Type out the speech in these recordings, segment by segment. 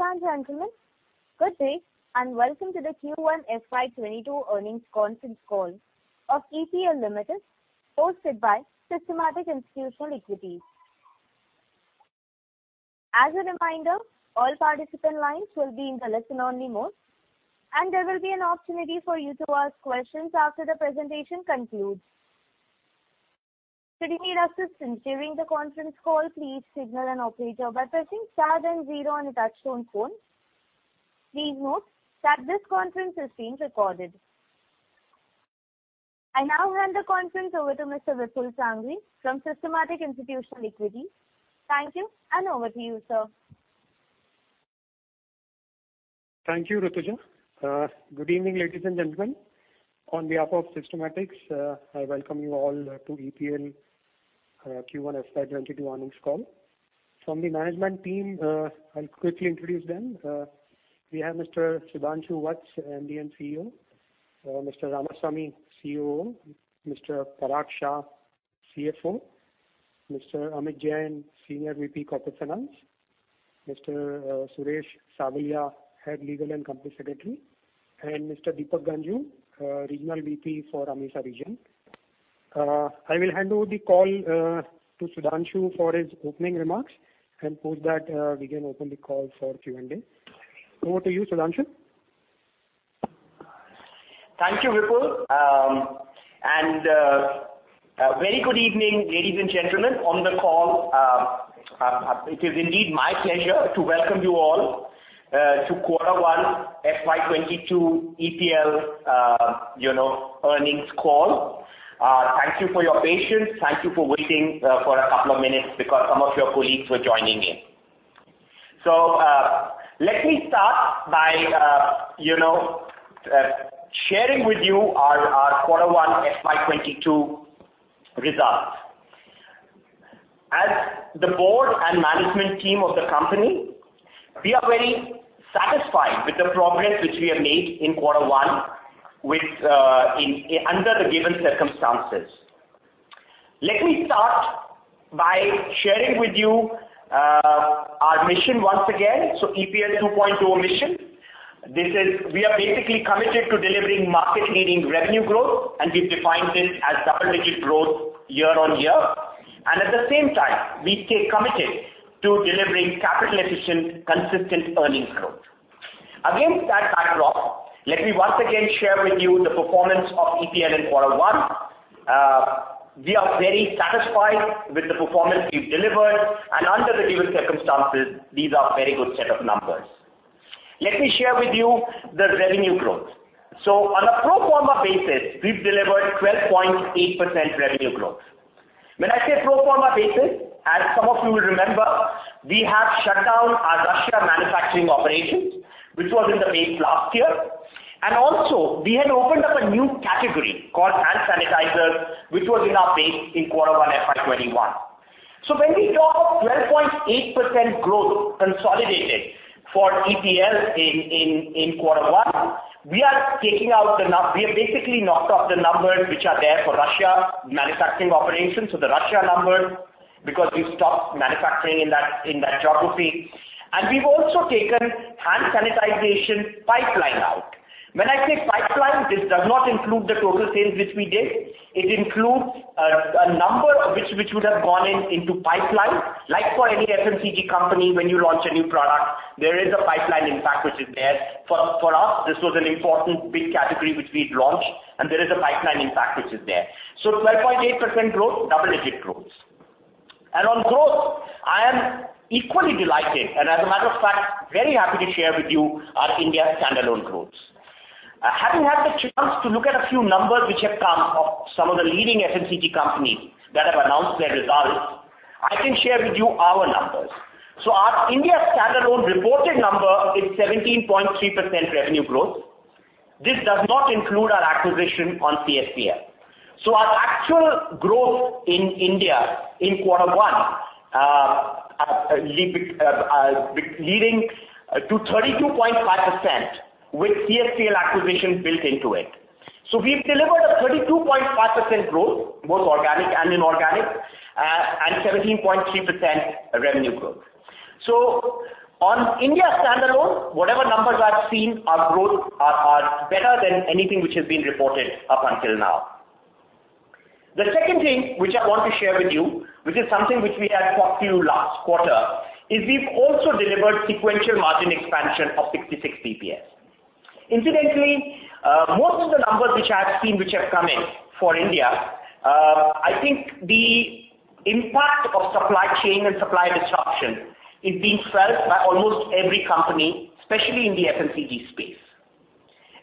Ladies and gentlemen, good day and welcome to the Q1 FY 2022 earnings conference call of EPL Limited hosted by Systematix Institutional Equities. As a reminder, all participant lines will be in the listen-only mode, and there will be an opportunity for you to ask questions after the presentation concludes. Should you need assistance during the conference call, please signal an operator by pressing star then zero on your touch-tone phone. Please note that this conference is being recorded. I now hand the conference over to Mr. Vipul Sanghvi from Systematix Institutional Equities. Thank you, and over to you, sir. Thank you, Nitesh. Good evening, ladies and gentlemen. On behalf of Systematix, I welcome you all to EPL Q1 FY 2022 earnings call. From the management team, I'll quickly introduce them. We have Mr. Sudhanshu Vats, MD and CEO, Mr. M. R. Ramasamy, COO, Mr. Parag Shah, CFO, Mr. Amit Jain, Senior VP Corporate Finance, Mr. Suresh Savalia, Head Legal and Company Secretary, and Mr. Deepak Ganjoo, Regional VP for AMESA region. I will hand over the call to Sudhanshu for his opening remarks, and post that we can open the call for Q&A. Over to you, Sudhanshu. Thank you, Vipul. Very good evening, ladies and gentlemen, on the call. It is indeed my pleasure to welcome you all to quarter one FY 2022 EPL earnings call. Thank you for your patience. Thank you for waiting for a couple of minutes because some of your colleagues were joining in. Let me start by sharing with you our quarter one FY 2022 results. As the board and management team of the company, we are very satisfied with the progress which we have made in quarter one under the given circumstances. Let me start by sharing with you our mission once again. EPL 2.0 mission. We are basically committed to delivering market-leading revenue growth, and we've defined this as double-digit growth year on year. At the same time, we stay committed to delivering capital-efficient, consistent earnings growth. Against that backdrop, let me once again share with you the performance of EPL in quarter one. We are very satisfied with the performance we've delivered. Under the given circumstances, these are a very good set of numbers. Let me share with you the revenue growth. On a pro forma basis, we've delivered 12.8% revenue growth. When I say pro forma basis, as some of you will remember, we have shut down our Russia manufacturing operations, which was in the base last year. Also we had opened up a new category called hand sanitizers, which was in our base in quarter one FY 2021. When we talk 12.8% growth consolidated for EPL in quarter one, we have basically knocked off the numbers which are there for Russia manufacturing operations, so the Russia numbers, because we've stopped manufacturing in that geography. We've also taken hand sanitization pipeline out. When I say pipeline, this does not include the total sales which we did. It includes a number which would have gone into pipeline. For any FMCG company, when you launch a new product, there is a pipeline impact which is there. For us, this was an important big category which we'd launched, and there is a pipeline impact which is there. 12.8% growth, double-digit growth. On growth, I am equally delighted, and as a matter of fact, very happy to share with you our India standalone growth. Having had the chance to look at a few numbers which have come of some of the leading FMCG companies that have announced their results, I can share with you our numbers. Our India standalone reported number is 17.3% revenue growth. This does not include our acquisition on CSPL. Our actual growth in India in quarter one, leading to 32.5% with CSPL acquisition built into it. We've delivered a 32.5% growth, both organic and inorganic, and 17.3% revenue growth. On India standalone, whatever numbers I've seen, our growth are better than anything which has been reported up until now. The second thing which I want to share with you, which is something which we had talked to you last quarter, is we've also delivered sequential margin expansion of 66 basis points. Incidentally, most of the numbers which I've seen which have come in for India, I think the impact of supply chain and supply disruption is being felt by almost every company, especially in the FMCG space.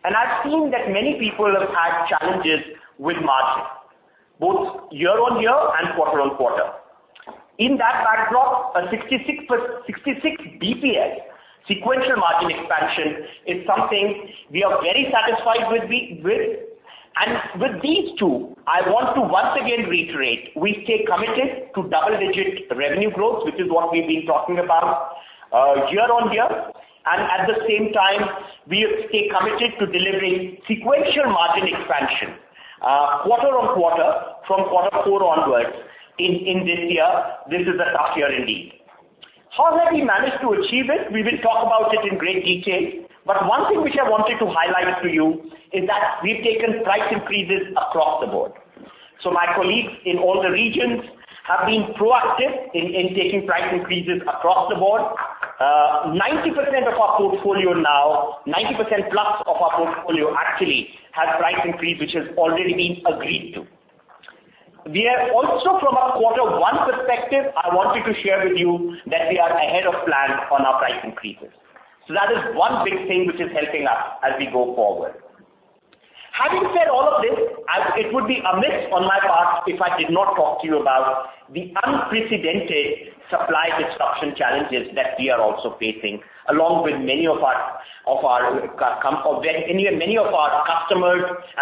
I've seen that many people have had challenges with margin, both year-over-year and quarter-on-quarter. In that backdrop, a 66 basis points sequential margin expansion is something we are very satisfied with. With these two, I want to once again reiterate, we stay committed to double-digit revenue growth, which is what we've been talking about year-on-year. At the same time, we stay committed to delivering sequential margin expansion quarter-on-quarter from quarter four onwards in this year, this is a tough year indeed. How have we managed to achieve it? We will talk about it in great detail, one thing which I wanted to highlight to you is that we've taken price increases across the board. My colleagues in all the regions have been proactive in taking price increases across the board. 90%+ of our portfolio actually has price increase, which has already been agreed to. From a quarter one perspective, I wanted to share with you that we are ahead of plan on our price increases. That is one big thing which is helping us as we go forward. Having said all of this, it would be amiss on my part if I did not talk to you about the unprecedented supply disruption challenges that we are also facing, along with many of our customers and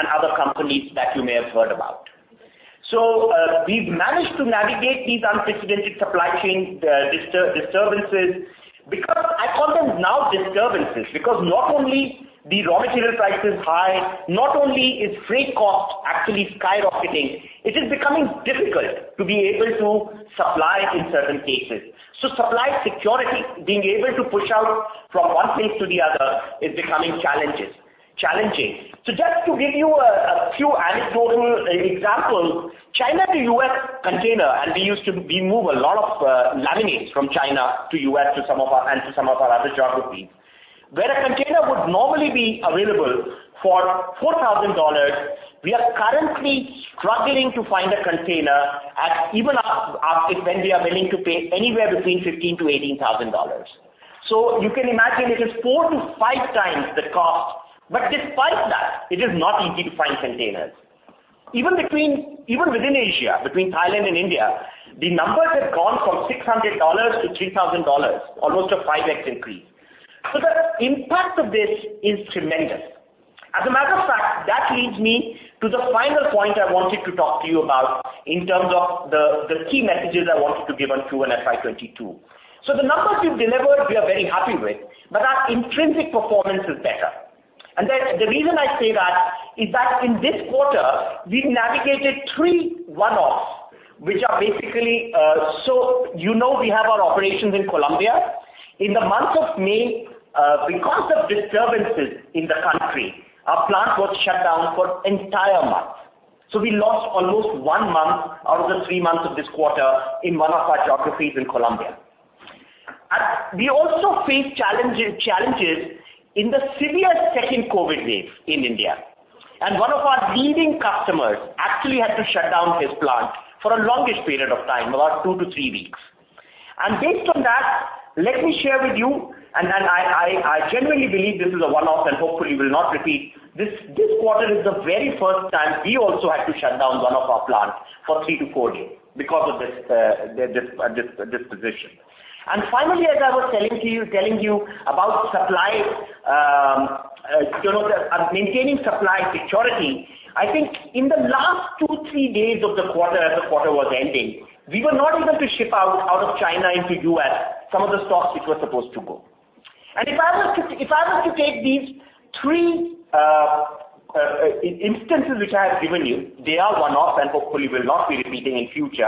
other companies that you may have heard about. We've managed to navigate these unprecedented supply chain disturbances. I call them now disturbances, because not only the raw material price is high, not only is freight cost actually skyrocketing, it is becoming difficult to be able to supply in certain cases. Supply security, being able to push out from one place to the other, is becoming challenging. Just to give you a few anecdotal examples, China to U.S. container, and we move a lot of laminates from China to U.S. and to some of our other geographies. Where a container would normally be available for $4,000, we are currently struggling to find a container even when we are willing to pay anywhere between $15,000-$18,000. You can imagine it is four to five times the cost, but despite that, it is not easy to find containers. Even within Asia, between Thailand and India, the numbers have gone from $600-$3,000, almost a 5x increase. The impact of this is tremendous. As a matter of fact, that leads me to the final point I wanted to talk to you about in terms of the key messages I wanted to give on Q1 FY 2022. The numbers we've delivered, we are very happy with, but our intrinsic performance is better. The reason I say that is that in this quarter, we navigated three one-offs. You know we have our operations in Colombia. In the month of May, because of disturbances in the country, our plant was shut down for entire month. We lost almost one month out of the three months of this quarter in one of our geographies in Colombia. We also faced challenges in the severe second COVID wave in India. One of our leading customers actually had to shut down his plant for a longish period of time, about two to three weeks. Based on that, let me share with you, and I genuinely believe this is a one-off and hopefully will not repeat, this quarter is the very first time we also had to shut down one of our plants for three to four days because of this disposition. Finally, as I was telling you about maintaining supply security, I think in the last two, three days of the quarter as the quarter was ending, we were not able to ship out of China into the U.S. some of the stocks which were supposed to go. If I were to take these three instances which I have given you, they are one-offs and hopefully will not be repeating in future.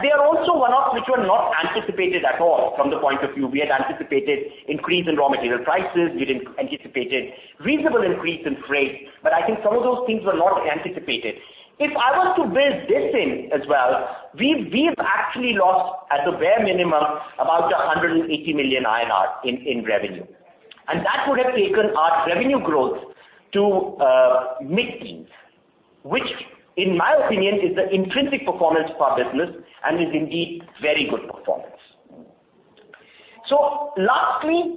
They are also one-offs which were not anticipated at all from the point of view we had anticipated increase in raw material prices, we'd anticipated reasonable increase in freight. I think some of those things were not anticipated. If I was to build this in as well, we've actually lost, at the bare minimum, about 180 million INR in revenue. That would have taken our revenue growth to mid teens, which in my opinion, is the intrinsic performance of our business and is indeed very good performance. Lastly,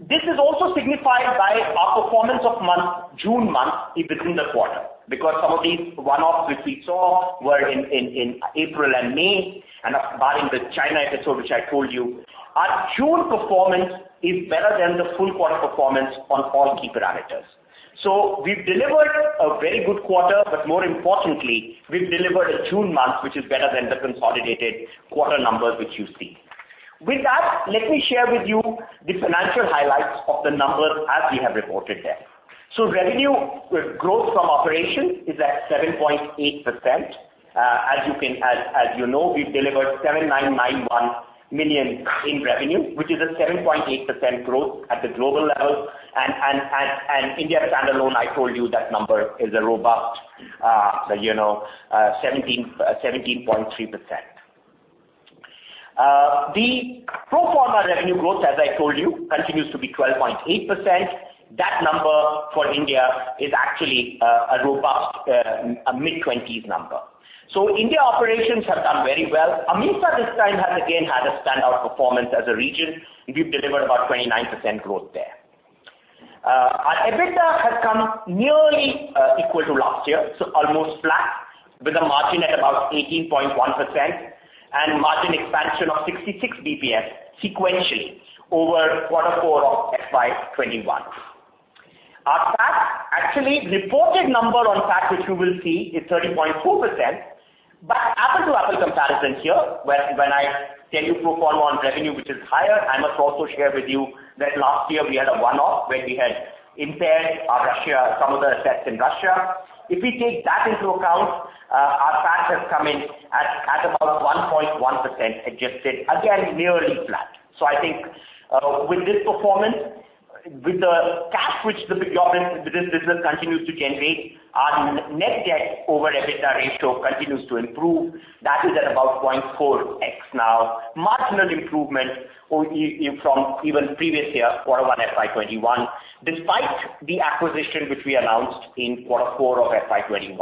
this is also signified by our performance of June month within the quarter because some of these one-offs which we saw were in April and May, and barring the China episode, which I told you, our June performance is better than the full quarter performance on all key parameters. We've delivered a very good quarter, but more importantly, we've delivered a June month, which is better than the consolidated quarter numbers which you see. With that, let me share with you the financial highlights of the numbers as we have reported there. Revenue growth from operations is at 7.8%. As you know, we've delivered 7,991 million in revenue, which is a 7.8% growth at the global level. India standalone, I told you that number is a robust 17.3%. The pro forma revenue growth, as I told you, continues to be 12.8%. That number for India is actually a robust mid-20s number. India operations have done very well. AMESA this time has again had a standout performance as a region. We've delivered about 29% growth there. Our EBITDA has come nearly equal to last year, almost flat, with a margin at about 18.1% and margin expansion of 66 basis points sequentially over quarter four of FY 2021. Our PAT, actually, reported number on PAT, which you will see, is 30.4%. Apple-to-apple comparison here, when I tell you pro forma on revenue, which is higher, I must also share with you that last year we had a one-off where we had impaired Russia, some of the assets in Russia. If we take that into account, our PAT has come in at about 1.1% adjusted. Again, nearly flat. I think with this performance, with the cash which this business continues to generate, our net debt over EBITDA ratio continues to improve. That is at about 0.4x now. Marginal improvement from even previous year, quarter one FY 2021, despite the acquisition which we announced in quarter four of FY 2021.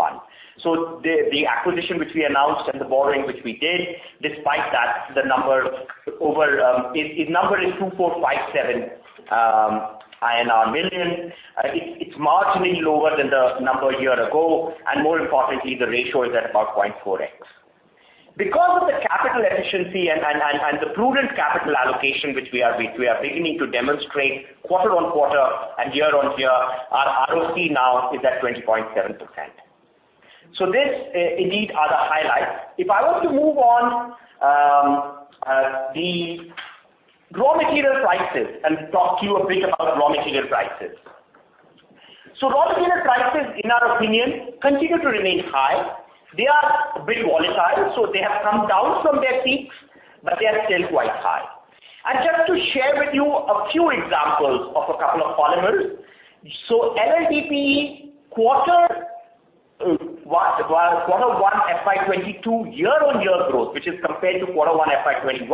The acquisition which we announced and the borrowing which we did, despite that, the number is 2,457 million INR. It's marginally lower than the number a year ago. More importantly, the ratio is at about 0.4x. Because of the capital efficiency and the prudent capital allocation which we are beginning to demonstrate quarter-on-quarter and year-on-year, our ROC now is at 20.7%. These are the highlights. If I want to move on, the raw material prices, and talk to you a bit about raw material prices. Raw material prices, in our opinion, continue to remain high. They are a bit volatile, so they have come down from their peaks, but they are still quite high. Just to share with you a few examples of a couple of polymers. LLDPE, quarter one FY 2022 year-on-year growth, which is compared to quarter one FY 2021,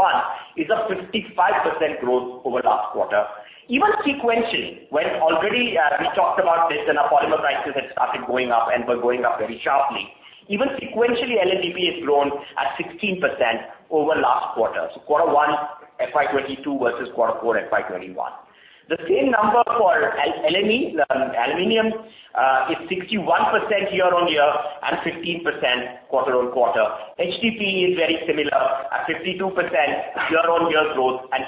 is a 55% growth over last quarter. Even sequentially, when already we talked about this and our polymer prices had started going up and were going up very sharply, even sequentially, LLDPE has grown at 16% over last quarter, so quarter one FY 2022 versus quarter four FY 2021. The same number for LME, the aluminum, is 61% year-on-year and 15% quarter-on-quarter. HDPE is very similar at 52% year-on-year growth and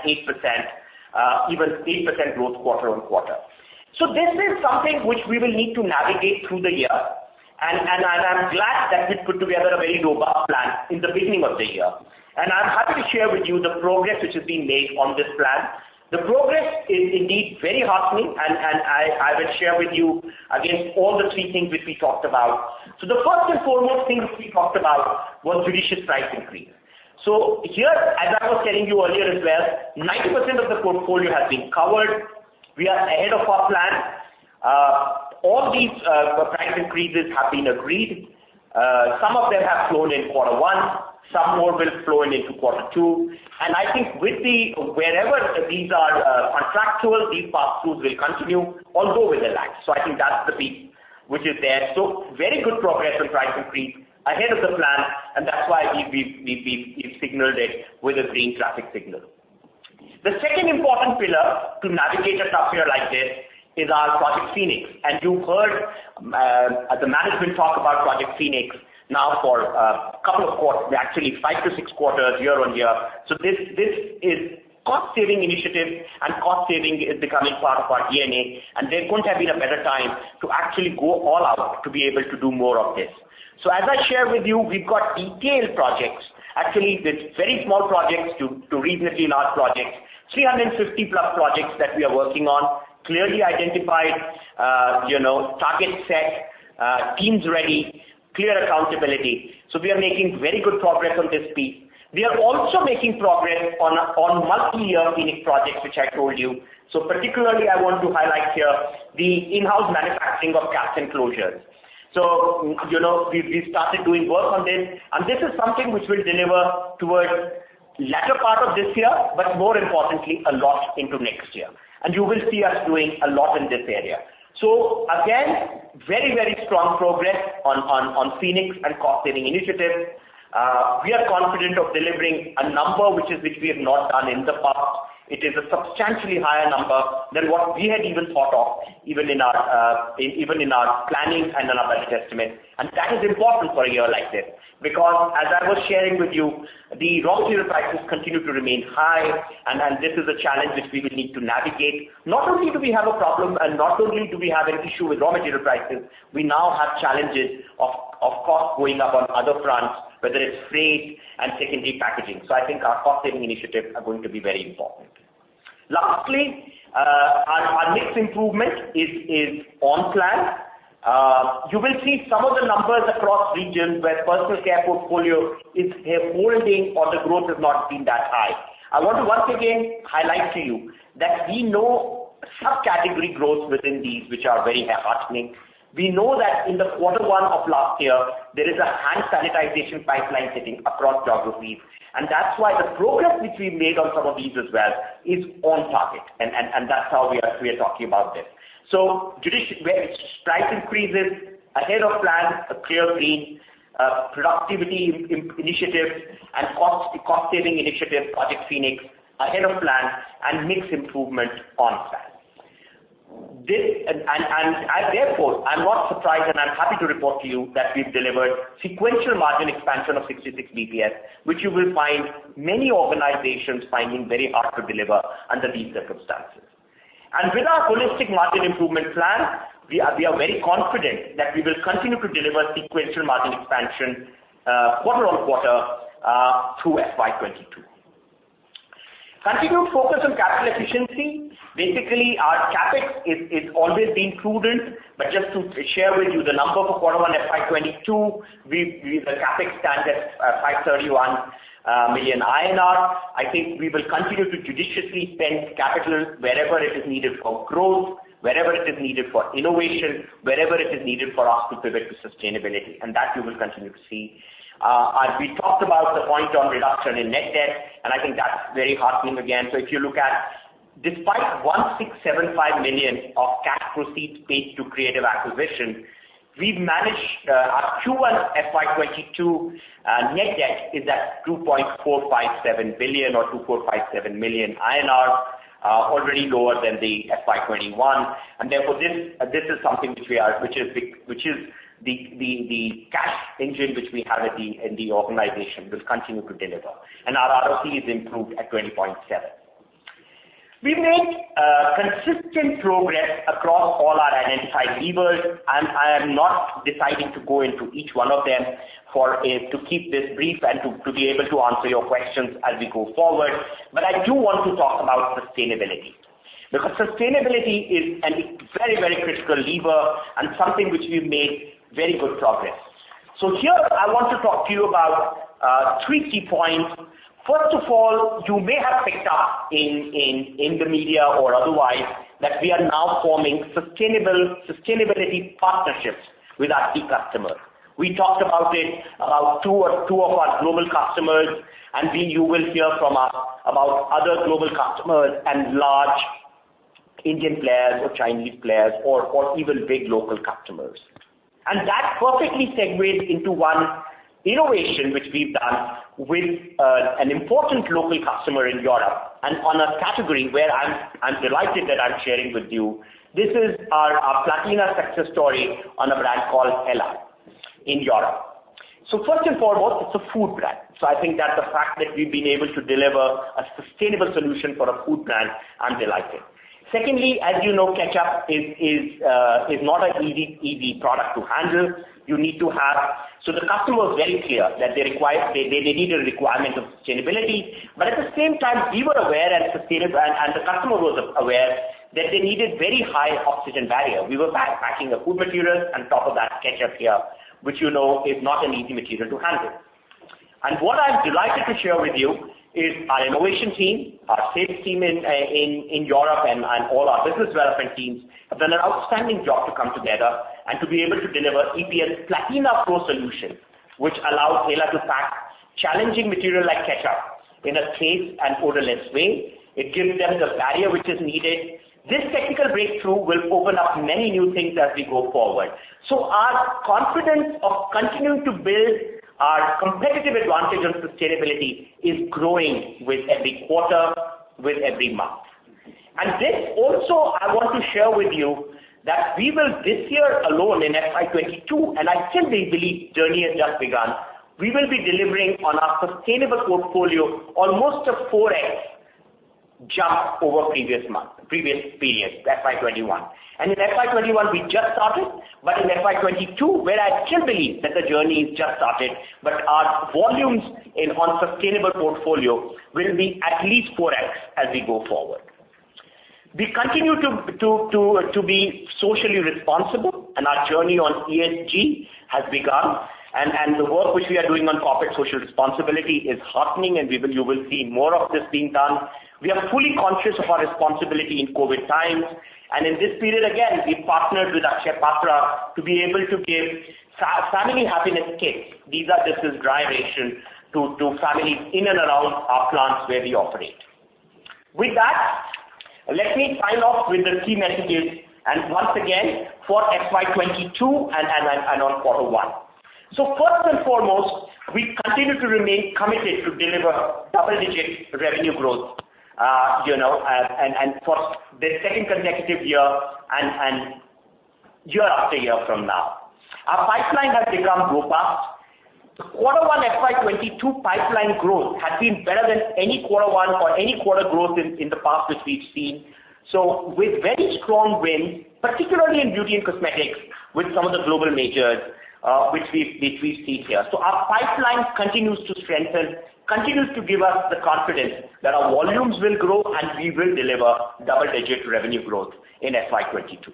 even 8% growth quarter-on-quarter. This is something which we will need to navigate through the year, I'm glad that we put together a very robust plan in the beginning of the year, I'm happy to share with you the progress which has been made on this plan. The progress is indeed very heartening, I will share with you again all the three things which we talked about. The first and foremost things we talked about was judicious price increase. Here, as I was telling you earlier as well, 90% of the portfolio has been covered. We are ahead of our plan. All these price increases have been agreed. Some of them have flown in quarter one, some more will flow in into quarter two, and I think wherever these are contractual, these pass-throughs will continue, although with a lag. I think that's the peak which is there. Very good progress on price increase, ahead of the plan, and that's why we've signaled it with a green traffic signal. The second important pillar to navigate a tough year like this is our Project Phoenix, and you heard the management talk about Project Phoenix now for actually five to six quarters year-on-year. This is cost-saving initiative and cost saving is becoming part of our DNA, and there couldn't have been a better time to actually go all out to be able to do more of this. As I share with you, we've got detailed projects. Actually, with very small projects to reasonably large projects, 350+ projects that we are working on, clearly identified, target set, teams ready, clear accountability. We are making very good progress on this front. We are also making progress on multi-year Phoenix projects, which I told you. Particularly, I want to highlight here the in-house manufacturing of caps and closures. We started doing work on this, and this is something which will deliver towards latter part of this year, but more importantly, a lot into next year. You will see us doing a lot in this area. Again, very strong progress on Phoenix and cost-saving initiatives. We are confident of delivering a number which we have not done in the past. It is a substantially higher number than what we had even thought of, even in our planning and our budget estimate. That is important for a year like this because, as I was sharing with you, the raw material prices continue to remain high, and this is a challenge which we will need to navigate. Not only do we have a problem and not only do we have an issue with raw material prices, we now have challenges of cost going up on other fronts, whether it's freight and secondary packaging. I think our cost-saving initiatives are going to be very important. Lastly, our mix improvement is on plan. You will see some of the numbers across regions where personal care portfolio is here, holding or the growth has not been that high. I want to once again highlight to you that we know subcategory growth within these, which are very heartening. We know that in the quarter one of last year, there is a hand sanitization pipeline sitting across geographies, and that's why the progress which we made on some of these as well is on target, and that's how we are talking about this. judicious price increases ahead of plan, a clear green, productivity initiative and cost-saving initiative, Project Phoenix ahead of plan and mix improvement on plan. Therefore, I'm not surprised and I'm happy to report to you that we've delivered sequential margin expansion of 66 basis points, which you will find many organizations finding very hard to deliver under these circumstances. With our holistic margin improvement plan, we are very confident that we will continue to deliver sequential margin expansion quarter on quarter through FY 2022. Continued focus on capital efficiency. Basically, our CapEx has always been prudent, but just to share with you the number for quarter one FY 2022, the CapEx stands at 531 million INR. I think we will continue to judiciously spend capital wherever it is needed for growth, wherever it is needed for innovation, wherever it is needed for us to pivot to sustainability. That you will continue to see. As we talked about the point on reduction in net debt, and I think that's very heartening again. If you look at despite 1,675 million of cash proceeds paid to Creative acquisition, our Q1 FY 2022 net debt is at 2.457 billion or 2,457 million INR, already lower than the FY 2021. Therefore this is something which is the cash engine which we have in the organization will continue to deliver, and our ROC improved at 20.7%. We've made consistent progress across all our identified levers, and I am not deciding to go into each one of them to keep this brief and to be able to answer your questions as we go forward. I do want to talk about sustainability, because sustainability is a very critical lever and something which we've made very good progress. Here I want to talk to you about three key points. First of all, you may have picked up in the media or otherwise that we are now forming sustainability partnerships with our key customers. We talked about it, about two of our global customers. You will hear from us about other global customers and large Indian players or Chinese players, or even big local customers. That perfectly segues into one innovation which we've done with an important local customer in Europe and on a category where I'm delighted that I'm sharing with you. This is our Platina success story on a brand called Hela in Europe. First and foremost, it's a food brand. I think that the fact that we've been able to deliver a sustainable solution for a food brand, I'm delighted. Secondly, as you know, ketchup is not an easy product to handle. The customer was very clear that they need a requirement of sustainability, but at the same time, we were aware and the customer was aware that they needed very high oxygen barrier. We were packing a food material on top of that ketchup here, which you know is not an easy material to handle. What I'm delighted to share with you is our innovation team, our sales team in Europe, and all our business development teams have done an outstanding job to come together and to be able to deliver EPL Platina Pro solution, which allows Hela to pack challenging material like ketchup in a safe and odorless way. It gives them the barrier which is needed. This technical breakthrough will open up many new things as we go forward. Our confidence of continuing to build our competitive advantage on sustainability is growing with every quarter, with every month. This also, I want to share with you that we will this year alone in FY 2022, and I still believe journey has just begun, we will be delivering on our sustainable portfolio almost a 4x jump over previous period, FY 2021. In FY 2021, we just started, but in FY 2022, where I still believe that the journey is just started, but our volumes on sustainable portfolio will be at least 4x as we go forward. We continue to be socially responsible, our journey on ESG has begun, and the work which we are doing on corporate social responsibility is heartening, and you will see more of this being done. We are fully conscious of our responsibility in COVID times, and in this period, again, we partnered with Akshaya Patra to be able to give family happiness kits. These are just this dry ration to families in and around our plants where we operate. With that, let me sign off with the key messages and once again for FY 2022 and on quarter one. First and foremost, we continue to remain committed to deliver double-digit revenue growth, for the second consecutive year and year after year from now. Our pipeline has become robust. The quarter one FY 2022 pipeline growth has been better than any quarter growth in the past, which we've seen. With very strong wins, particularly in beauty and cosmetics with some of the global majors which we see here. Our pipeline continues to strengthen, continues to give us the confidence that our volumes will grow and we will deliver double-digit revenue growth in FY 2022.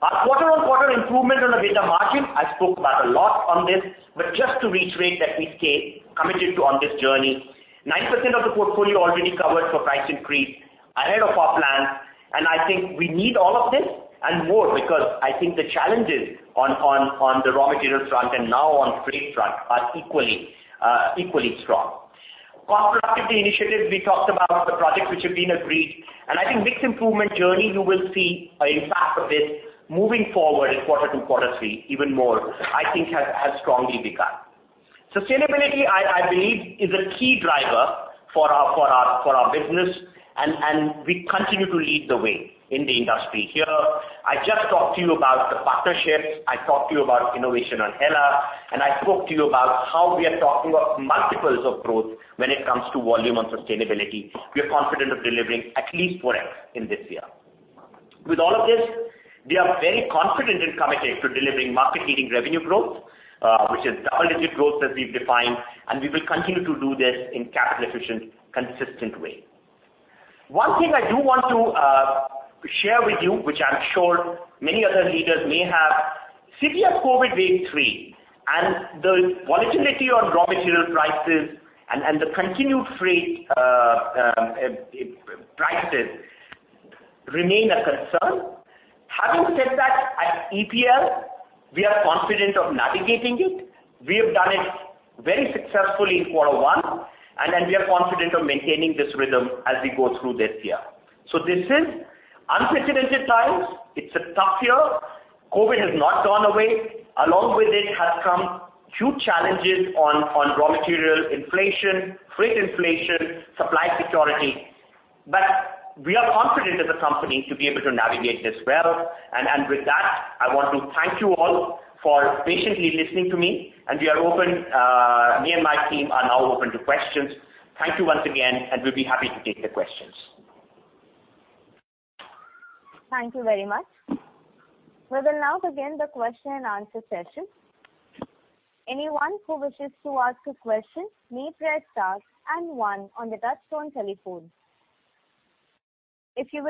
Our quarter-on-quarter improvement on the EBITDA margin, I spoke about a lot on this, but just to reiterate that we stay committed to on this journey. 90% of the portfolio already covered for price increase ahead of our plan. I think we need all of this and more because I think the challenges on the raw material front and now on freight front are equally strong. Cost productivity initiatives, we talked about the projects which have been agreed, and I think mix improvement journey you will see impact of this moving forward in quarter two, quarter three even more, I think has strongly begun. Sustainability, I believe is a key driver for our business and we continue to lead the way in the industry here. I just talked to you about the partnerships, I talked to you about innovation on Hela, I spoke to you about how we are talking about multiples of growth when it comes to volume on sustainability. We are confident of delivering at least 4x in this year. With all of this, we are very confident and committed to delivering market-leading revenue growth, which is double-digit growth that we've defined, and we will continue to do this in capital efficient, consistent way. One thing I do want to share with you, which I'm sure many other leaders may have, severe COVID wave three and the volatility on raw material prices and the continued freight prices remain a concern. Having said that, at EPL, we are confident of navigating it. We have done it very successfully in quarter one. We are confident of maintaining this rhythm as we go through this year. This is unprecedented times. It's a tough year. COVID has not gone away. Along with it has come huge challenges on raw material inflation, freight inflation, supply security. We are confident as a company to be able to navigate this well. With that, I want to thank you all for patiently listening to me. Me and my team are now open to questions. Thank you once again. We'll be happy to take the questions. Thank you very much. We will now begin the question-and-answer session. The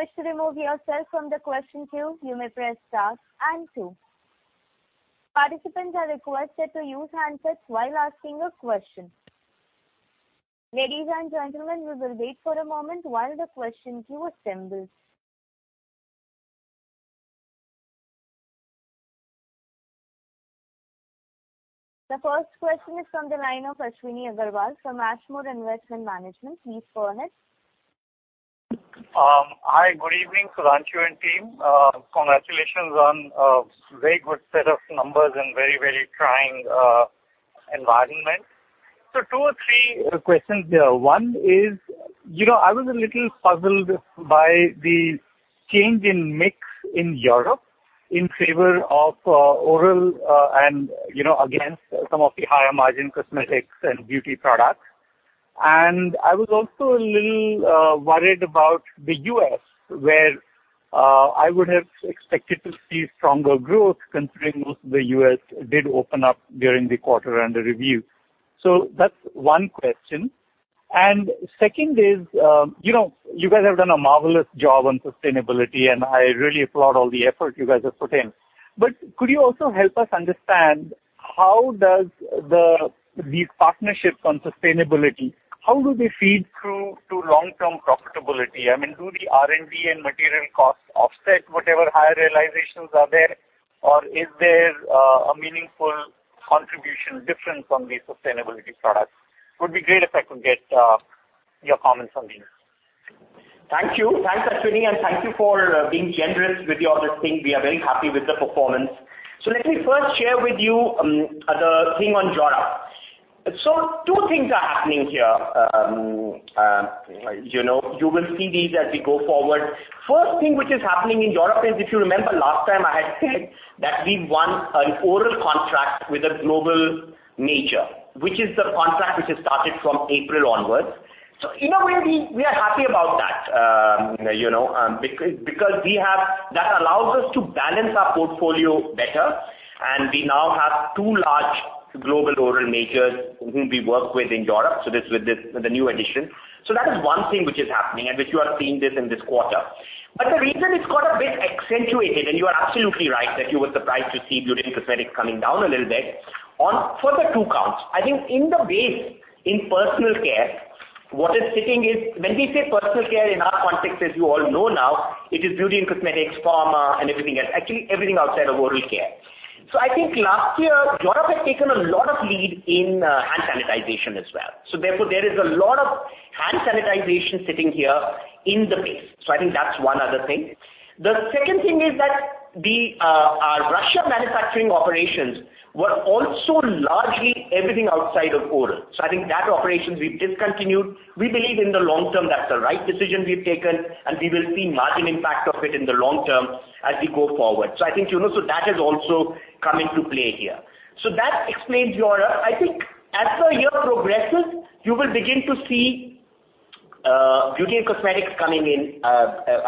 first question is from the line of Ashwini Agarwal from Ashmore Investment Management. Please go ahead. Hi, good evening, Sudhanshu and team. Congratulations on a very good set of numbers and very, very trying environment. Two or three questions here. One is, I was a little puzzled by the change in mix in Europe in favor of oral and against some of the higher margin cosmetics and beauty products. I was also a little worried about the U.S., where I would have expected to see stronger growth considering most of the U.S. did open up during the quarter under review. That's one question. Second is, you guys have done a marvelous job on sustainability, and I really applaud all the effort you guys have put in. Could you also help us understand how does these partnerships on sustainability, how do they feed through to long-term profitability? I mean, do the R&D and material costs offset whatever higher realizations are there, or is there a meaningful contribution different from these sustainability products? Would be great if I could get your comments on these. Thank you. Thanks, Ashwini, thank you for being generous with your listing. We are very happy with the performance. Let me first share with you the thing on Europe. Two things are happening here. You will see these as we go forward. First thing which is happening in Europe is, if you remember last time I had said that we won an oral contract with a global major, which is the contract which has started from April onwards. In a way, we are happy about that because that allows us to balance our portfolio better, and we now have two large global oral majors whom we work with in Europe. This is with the new addition. That is one thing which is happening, and which you are seeing this in this quarter. The reason it's got a bit accentuated, and you are absolutely right that you were surprised to see beauty and cosmetics coming down a little bit, for the two counts. I think in the base in personal care, what is sitting is, when we say personal care in our context, as you all know now, it is beauty and cosmetics, pharma, and everything else. Actually, everything outside of oral care. I think last year, Europe has taken a lot of lead in hand sanitization as well. Therefore, there is a lot of hand sanitization sitting here in the base. I think that's one other thing. The second thing is that our Russia manufacturing operations were also largely everything outside of oral. I think that operation we've discontinued. We believe in the long term, that's the right decision we've taken, and we will see margin impact of it in the long term as we go forward. I think, you know, that has also come into play here. That explains Europe. I think as the year progresses, you will begin to see beauty and cosmetics coming in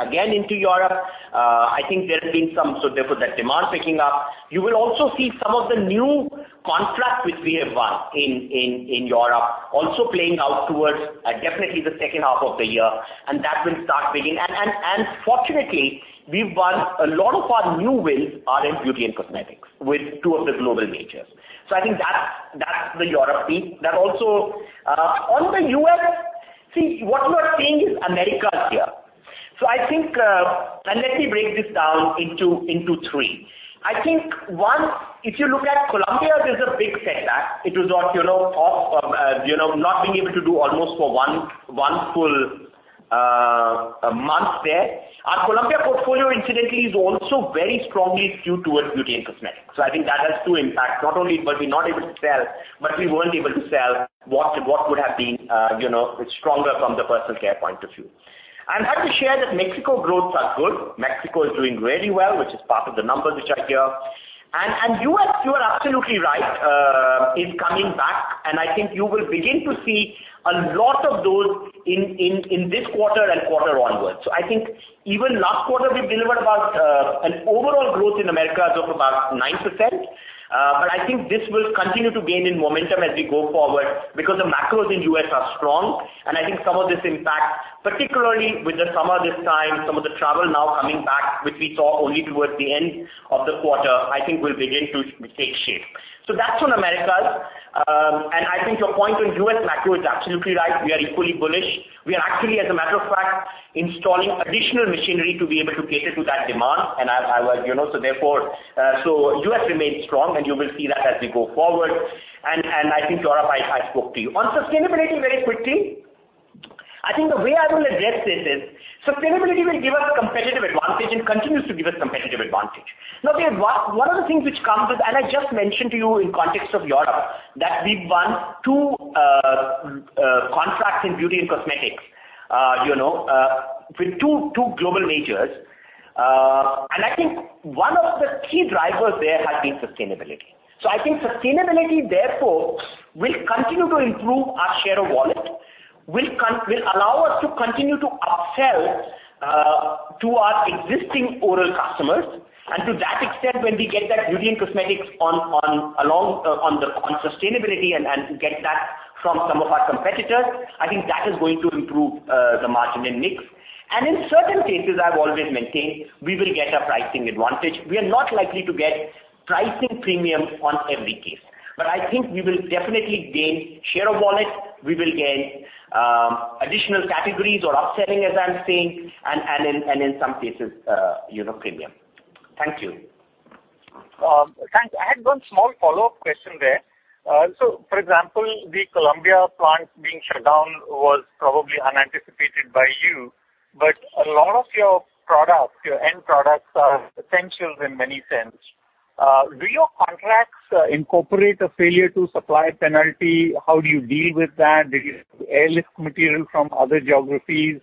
again into Europe. I think there have been. Therefore, that demand picking up. You will also see some of the new contracts which we have won in Europe also playing out towards definitely the second half of the year, and that will start building. Fortunately, we've won a lot of our new wins are in beauty and cosmetics with two of the global majors. I think that's the Europe bit. On the U.S., see, what you are seeing is America is here. I think, let me break this down into three. I think, one, if you look at Colombia, there's a big setback. It was off, not being able to do almost for one full month there. Our Colombia portfolio, incidentally, is also very strongly skewed towards beauty and cosmetics. I think that has two impacts. Not only were we not able to sell, but we weren't able to sell what would have been stronger from the personal care point of view. I have to share that Mexico growths are good. Mexico is doing really well, which is part of the numbers which are here. You are absolutely right. Is coming back, I think you will begin to see a lot of those in this quarter and quarter onwards. I think even last quarter, we've delivered about an overall growth in Americas of about 9%. I think this will continue to gain in momentum as we go forward because the macros in U.S. are strong. I think some of this impact, particularly with the summer this time, some of the travel now coming back, which we saw only towards the end of the quarter, I think will begin to take shape. That's on Americas. I think your point on U.S. macro is absolutely right. We are equally bullish. We are actually, as a matter of fact, installing additional machinery to be able to cater to that demand. Therefore, U.S. remains strong, and you will see that as we go forward. I think Europe, I spoke to you. On sustainability, very quickly, I think the way I will address this is, sustainability will give us competitive advantage and continues to give us competitive advantage. One of the things which comes with, and I just mentioned to you in context of Europe, that we've won two contracts in beauty and cosmetics with two global majors. I think one of the key drivers there has been sustainability. I think sustainability, therefore, will continue to improve our share of wallet, will allow us to continue to upsell to our existing oral customers. To that extent, when we get that beauty and cosmetics on sustainability and get that from some of our competitors, I think that is going to improve the margin and mix. In certain cases, I've always maintained, we will get a pricing advantage. We are not likely to get pricing premium on every case. I think we will definitely gain share of wallet, we will gain additional categories or upselling, as I'm saying, and in some cases premium. Thank you. Thanks. I had one small follow-up question there. For example, the Colombia plant being shut down was probably unanticipated by you, but a lot of your end products are essentials in many sense. Do your contracts incorporate a failure-to-supply penalty? How do you deal with that? Did you airlift material from other geographies?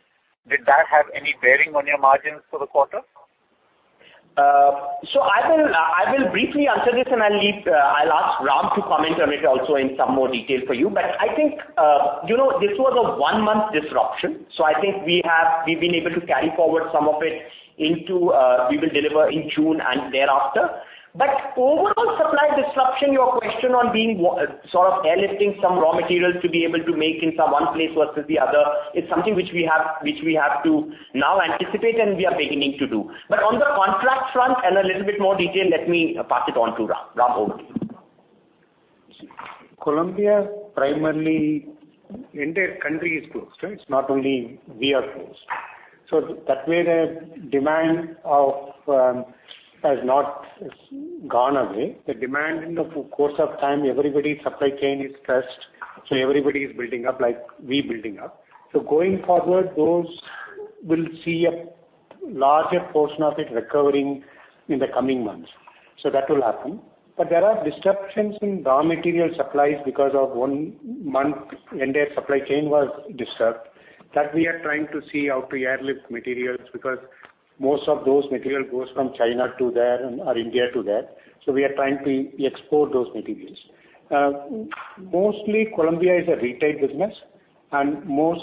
Did that have any bearing on your margins for the quarter? I will briefly answer this, and I'll ask Ram to comment on it also in some more detail for you. I think this was a one-month disruption. I think we've been able to carry forward some of it into, we will deliver in June and thereafter. Overall supply disruption, your question on being sort of airlifting some raw materials to be able to make in some one place versus the other, is something which we have to now anticipate and we are beginning to do. On the contract front and a little bit more detail, let me pass it on to Ram. Ram, over to you. Colombia, primarily, entire country is closed. It's not only we are closed. That way, the demand has not gone away. The demand in the course of time, everybody's supply chain is stressed, everybody is building up like we building up. Going forward, those will see a larger portion of it recovering in the coming months. That will happen. There are disruptions in raw material supplies because of one month entire supply chain was disturbed. That we are trying to see how to airlift materials, because most of those material goes from China to there or India to there. We are trying to export those materials. Mostly, Colombia is a retail business, and more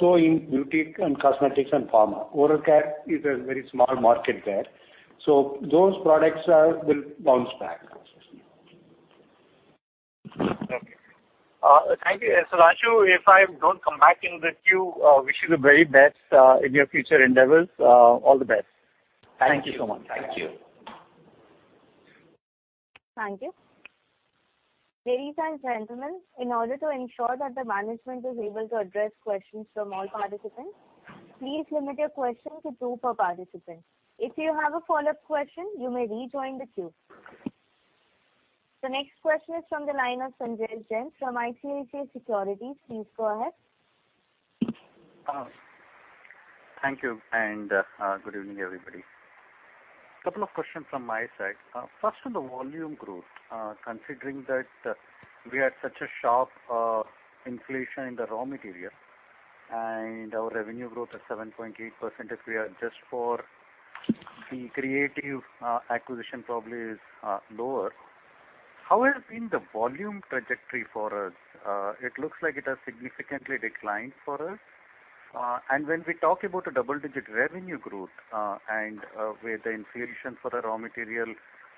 so in beauty and cosmetics and pharma. Oral care is a very small market there. Those products will bounce back. Okay. Thank you. Raju, if I don't come back in with you, wish you the very best in your future endeavors. All the best. Thank you so much. Thank you. Thank you. Ladies and gentlemen, in order to ensure that the management is able to address questions from all participants, please limit your question to two per participant. If you have a follow-up question, you may rejoin the queue. The next question is from the line of Sanjesh Jain from ICICI Securities. Please go ahead. Thank you. Good evening, everybody. Couple of questions from my side. First, on the volume growth, considering that we had such a sharp inflation in the raw material and our revenue growth at 7.8%, if we adjust for the Creative acquisition probably is lower. How has been the volume trajectory for us? It looks like it has significantly declined for us. When we talk about a double-digit revenue growth, and where the inflation for the raw material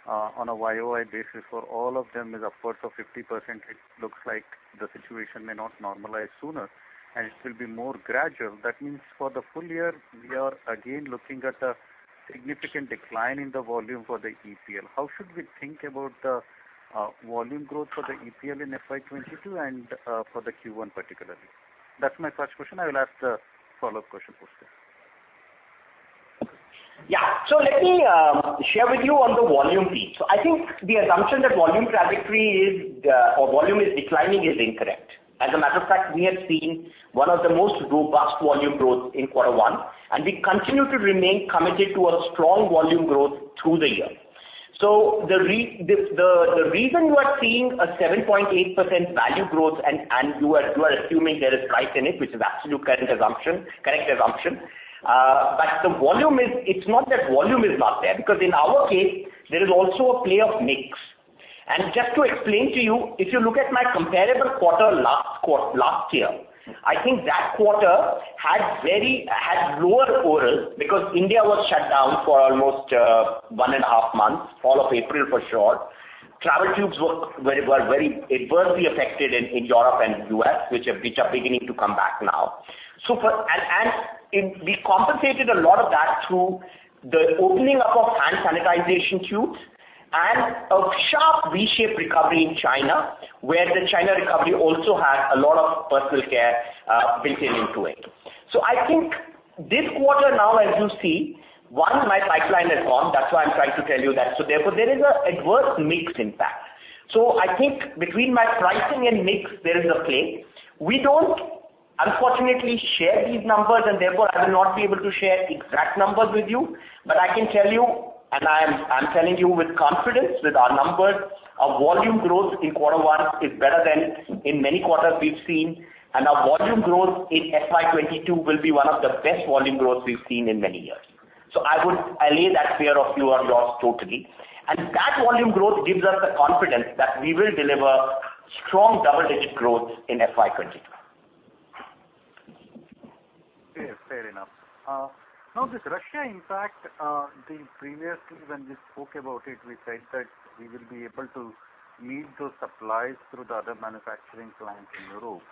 on a Y-o-Y basis for all of them is upwards of 50%, it looks like the situation may not normalize sooner, and it will be more gradual. That means for the full year, we are again looking at a significant decline in the volume for the EPL. How should we think about the volume growth for the EPL in FY 2022 and for the Q1 particularly? That's my first question. I will ask the follow-up question post this. Let me share with you on the volume piece. I think the assumption that volume trajectory is or volume is declining is incorrect. As a matter of fact, we have seen one of the most robust volume growth in quarter one, and we continue to remain committed to a strong volume growth through the year. The reason you are seeing a 7.8% value growth and you are assuming there is price in it, which is absolute correct assumption. But it's not that volume is not there, because in our case, there is also a play of mix. Just to explain to you, if you look at my comparable quarter last year, I think that quarter had lower overall because India was shut down for almost one and a half months, all of April for sure. Travel tubes were adversely affected in Europe and U.S., which are beginning to come back now. We compensated a lot of that through the opening up of hand sanitization tubes and a sharp V-shaped recovery in China, where the China recovery also had a lot of personal care built into it. I think this quarter now as you see, one, my pipeline is gone. That's why I'm trying to tell you that. Therefore, there is an adverse mix impact. I think between my pricing and mix, there is a play. We don't, unfortunately, share these numbers, and therefore I will not be able to share exact numbers with you. I can tell you, I am telling you with confidence with our numbers, our volume growth in quarter one is better than in many quarters we've seen, our volume growth in FY 2022 will be one of the best volume growths we've seen in many years. I would allay that fear of you on loss totally. That volume growth gives us the confidence that we will deliver strong double-digit growth in FY 2022. Yes, fair enough. This Russia impact, previously when we spoke about it, we said that we will be able to meet those supplies through the other manufacturing plants in Europe.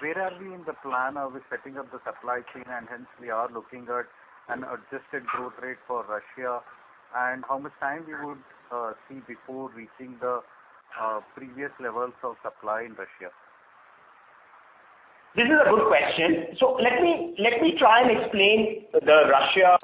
Where are we in the plan? Are we setting up the supply chain, hence we are looking at an adjusted growth rate for Russia? How much time we would see before reaching the previous levels of supply in Russia? This is a good question. Let me try and explain the Russia,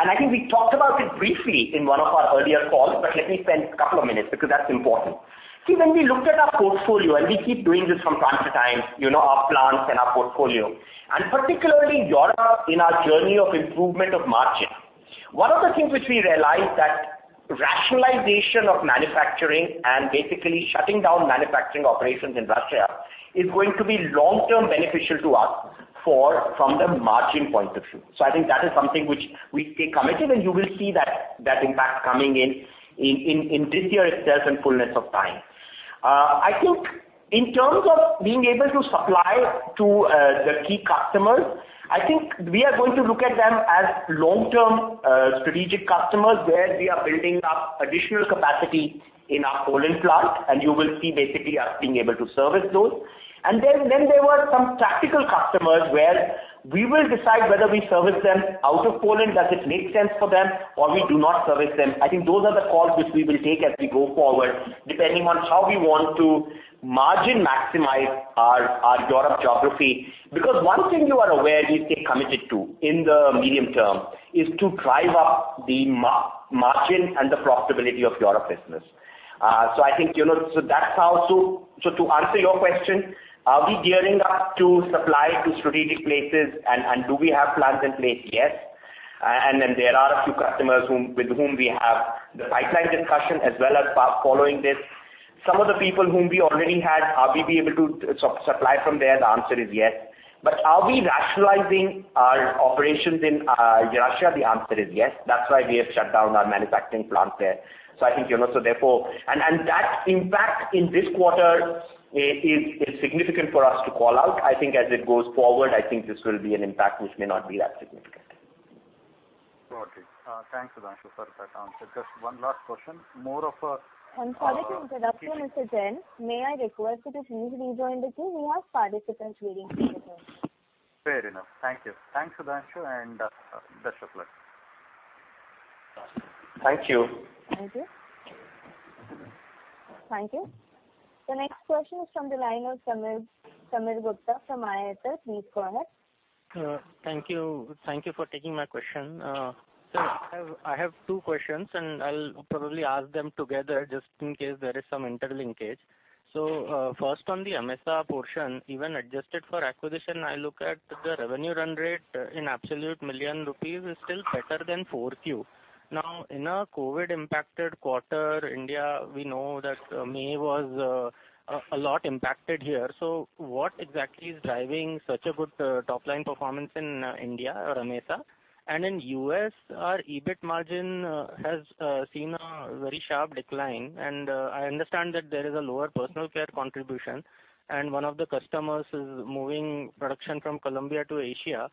and I think we talked about it briefly in one of our earlier calls, but let me spend a couple of minutes because that's important. See, when we looked at our portfolio, and we keep doing this from time to time, our plants and our portfolio, and particularly Europe in our journey of improvement of margin, one of the things which we realized that rationalization of manufacturing and basically shutting down manufacturing operations in Russia is going to be long-term beneficial to us from the margin point of view. I think that is something which we stay committed and you will see that impact coming in this year itself in fullness of time. I think in terms of being able to supply to the key customers, I think we are going to look at them as long-term strategic customers where we are building up additional capacity in our Poland plant. You will see basically us being able to service those. Then there were some tactical customers where we will decide whether we service them out of Poland, does it make sense for them, or we do not service them. I think those are the calls which we will take as we go forward, depending on how we want to margin maximize our Europe geography. One thing you are aware we stay committed to in the medium term is to drive up the margin and the profitability of Europe business. To answer your question, are we gearing up to supply to strategic places and do we have plans in place? Yes. There are a few customers with whom we have the pipeline discussion as well as following this. Some of the people whom we already had, are we able to supply from there? The answer is yes. Are we rationalizing our operations in Russia? The answer is yes. That's why we have shut down our manufacturing plant there. That impact in this quarter is significant for us to call out. I think as it goes forward, I think this will be an impact which may not be that significant. Got it. Thanks, Sudhanshu, for that answer. Just one last question. I'm sorry to interrupt you, Mr. Jain. May I request that as you've rejoined us here, we have participants waiting for you. Fair enough. Thank you. Thanks, Sudhanshu, and best of luck. Thank you. Thank you. Thank you. The next question is from the line of Sameer Gupta from IIFL. Please go ahead. Thank you for taking my question. Sir, I have two questions. I'll probably ask them together just in case there is some interlinkage. First on the AMESA portion, even adjusted for acquisition, I look at the revenue run rate in absolute million rupees is still better than 4Q. In a COVID-impacted quarter, India, we know that May was a lot impacted here. What exactly is driving such a good top-line performance in India or AMESA? In U.S., our EBIT margin has seen a very sharp decline. I understand that there is a lower personal care contribution. One of the customers is moving production from Colombia to Asia.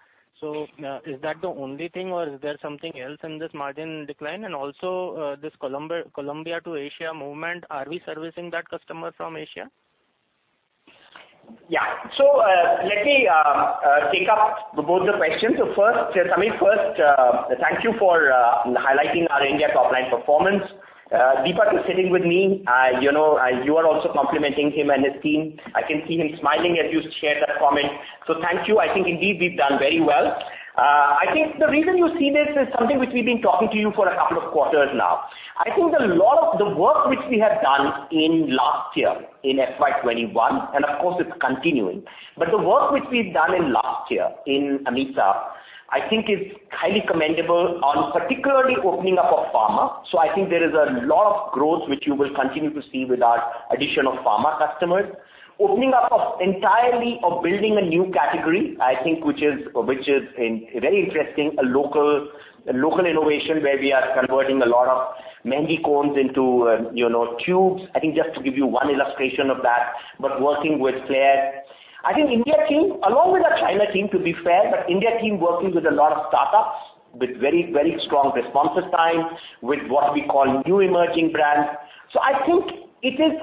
Is that the only thing or is there something else in this margin decline? Also, this Colombia to Asia movement, are we servicing that customer from Asia? Yeah. Let me take up both the questions. Sameer, first, thank you for highlighting our India top-line performance. Deepak is sitting with me. You are also complimenting him and his team. I can see him smiling as you shared that comment. Thank you. I think indeed we've done very well. I think the reason you see this is something which we've been talking to you for a couple of quarters now. I think a lot of the work which we have done in last year in FY 2021, and of course it's continuing, but the work which we've done in last year in AMESA, I think is highly commendable on particularly opening up of pharma. I think there is a lot of growth which you will continue to see with our addition of pharma customers. Opening up of entirely of building a new category, I think, which is very interesting, a local innovation where we are converting a lot of Mehendi cones into tubes. I think just to give you one illustration of that, but working with Claire. I think India team, along with our China team, to be fair, but India team working with a lot of startups with very strong responses time, with what we call new emerging brands. I think it is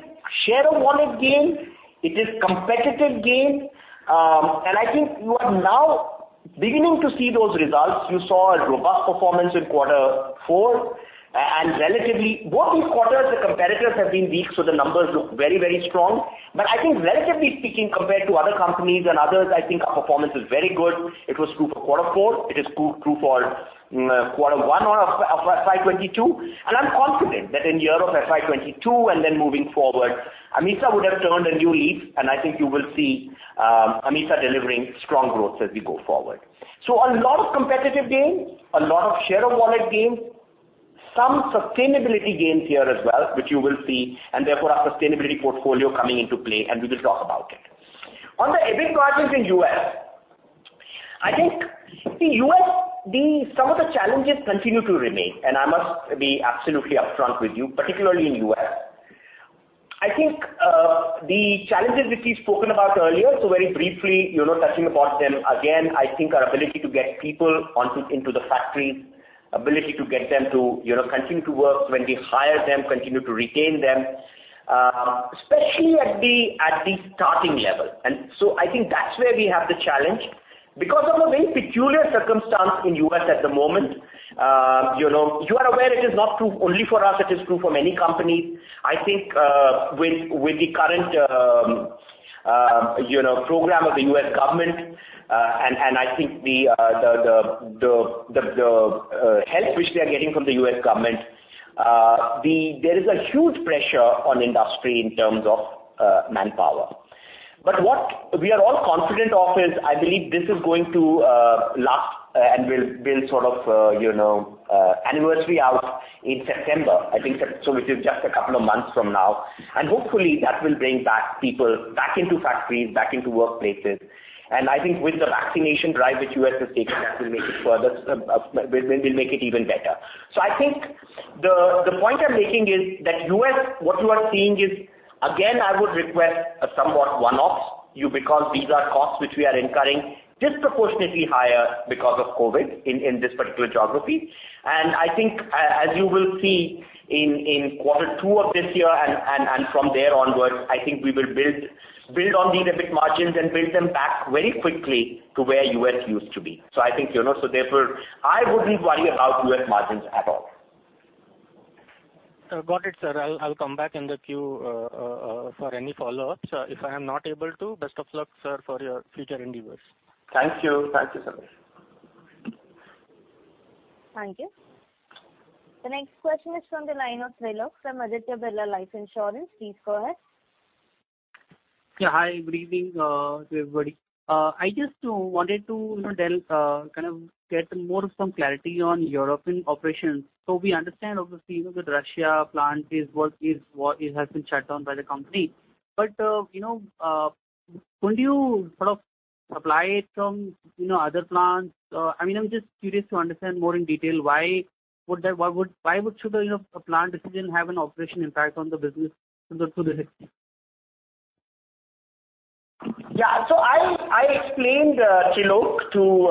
share of wallet gain, it is competitive gain. I think you are now beginning to see those results. You saw a robust performance in quarter four, and relatively, both these quarters the competitors have been weak, so the numbers look very strong. I think relatively speaking, compared to other companies and others, I think our performance is very good. It was true for quarter four, it is true for quarter one of FY 2022. I'm confident that in year of FY 2022 and then moving forward, AMESA would have turned a new leaf. I think you will see AMESA delivering strong growth as we go forward. A lot of competitive gains, a lot of share of wallet gains, some sustainability gains here as well, which you will see. Therefore our sustainability portfolio coming into play, we will talk about it. On the EBIT margins in U.S., I think some of the challenges continue to remain. I must be absolutely upfront with you, particularly in U.S. The challenges which we've spoken about earlier, very briefly touching upon them again, our ability to get people into the factories, ability to get them to continue to work when we hire them, continue to retain them, especially at the starting level. That's where we have the challenge because of a very peculiar circumstance in U.S. at the moment. You are aware it is not true only for us, it is true for many companies. With the current program of the U.S. government, the help which they are getting from the U.S. government, there is a huge pressure on industry in terms of manpower. What we are all confident of is, this is going to last and will build sort of anniversary out in September. Which is just a couple of months from now. Hopefully that will bring back people back into factories, back into workplaces. I think with the vaccination drive which U.S. has taken, that will make it even better. I think the point I'm making is that U.S., what you are seeing is, again, I would request a somewhat one-offs, because these are costs which we are incurring disproportionately higher because of COVID in this particular geography. I think as you will see in quarter two of this year and from there onwards, I think we will build on the EBIT margins and build them back very quickly to where U.S. used to be. Therefore, I wouldn't worry about U.S. margins at all. Got it, sir. I'll come back in the queue for any follow-ups. If I am not able to, best of luck, sir, for your future endeavors. Thank you, Sameer Gupta. Thank you. The next question is from the line of Trilok from Aditya Birla Sun Life Insurance. Please go ahead. Yeah. Hi, good evening to everybody. I just wanted to kind of get more of some clarity on European operations. We understand, obviously, with Russia plant has been shut down by the company. Couldn't you sort of supply it from other plants? I'm just curious to understand more in detail why should a plant decision have an operational impact on the business to this extent. Yeah. So I explained, Trilok, to,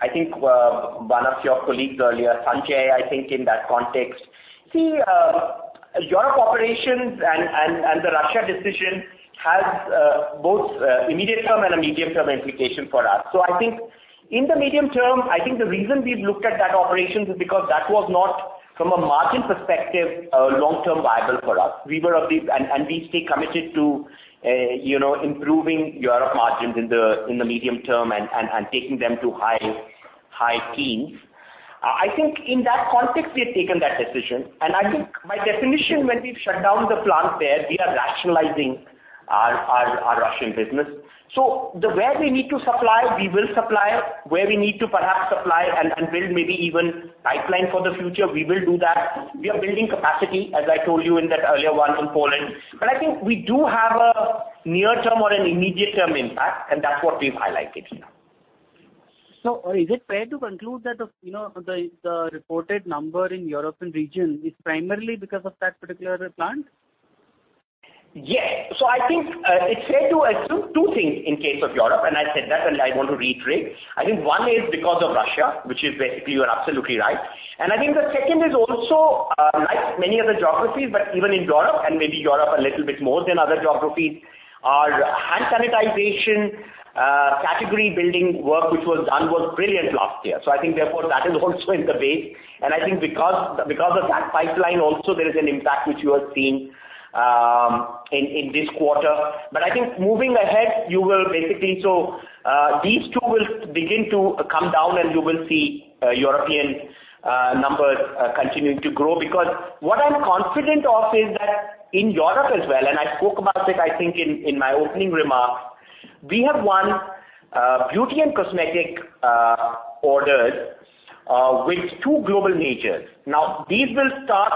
I think, one of your colleagues earlier, Sanjesh Jain, I think in that context. See, Europe operations and the Russia decision has both immediate term and a medium-term implication for us. I think in the medium-term, I think the reason we've looked at that operations is because that was not from a margin perspective, long-term viable for us. We stay committed to improving Europe margins in the medium-term and taking them to high teens. I think in that context, we've taken that decision. I think by definition, when we've shut down the plant there, we are rationalizing our Russian business. Where we need to supply, we will supply. Where we need to perhaps supply and build maybe even pipeline for the future, we will do that. We are building capacity, as I told you in that earlier one on Poland. I think we do have a near term or an immediate term impact, and that's what we've highlighted here. Is it fair to conclude that the reported number in European region is primarily because of that particular plant? Yes. I think it's fair to assume two things in case of Europe, and I said that and I want to reiterate. I think one is because of Russia, which is basically you are absolutely right. I think the second is also, like many other geographies, but even in Europe, and maybe Europe a little bit more than other geographies, our hand sanitization category building work which was done was brilliant last year. I think therefore that is also in the way. I think because of that pipeline also there is an impact which you are seeing in this quarter. I think moving ahead, these two will begin to come down, and you will see European numbers continuing to grow. What I'm confident of is that in Europe as well, and I spoke about it, I think, in my opening remarks, we have won beauty and cosmetic orders with two global majors. These will start,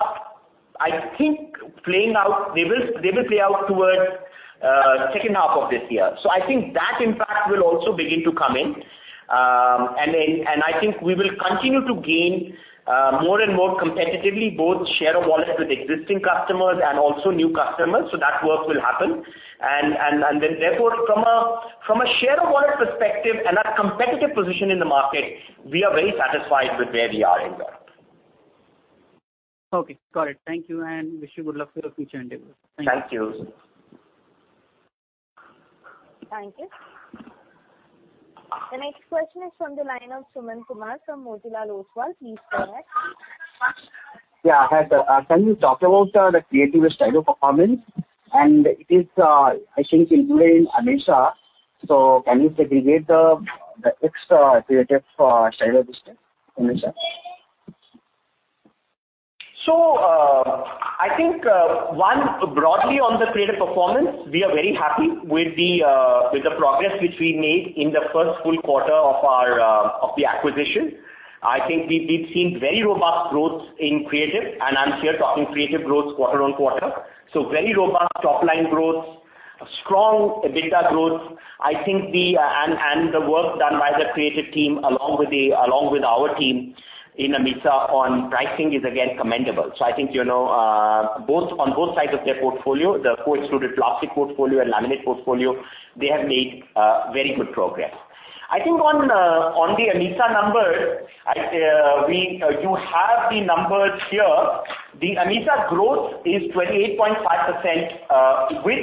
I think, they will play out towards second half of this year. I think that impact will also begin to come in. I think we will continue to gain more and more competitively, both share of wallet with existing customers and also new customers, so that work will happen. Therefore, from a share of wallet perspective and our competitive position in the market, we are very satisfied with where we are in Europe. Okay, got it. Thank you and wish you good luck for your future endeavors. Thank you. Thank you. Thank you. The next question is from the line of Sumant Kumar from Motilal Oswal. Please go ahead. Yeah, hi, sir. Can you talk about the Creative Stylo performance? It is, I think, included in AMESA. Can you segregate the extra Creative Stylo this time, AMESA? I think, one, broadly on the Creative performance, we are very happy with the progress which we made in the 1st full quarter of the acquisition. I think we've seen very robust growth in Creative, and I'm here talking Creative growth quarter-on-quarter. Very robust top-line growth, strong EBITDA growth. I think the work done by the Creative team along with our team in AMESA on pricing is again commendable. I think, on both sides of their portfolio, the co-extruded plastic portfolio and laminate portfolio, they have made very good progress. I think on the AMESA numbers, you have the numbers here. The AMESA growth is 28.5% with